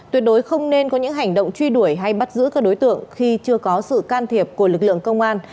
tuyệt đối không nên có những hành động truy đuổi hay bắt giữ các đối tượng khi chưa có sự can thiệp của lực lượng công an